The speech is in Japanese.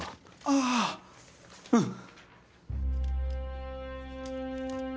ああうん。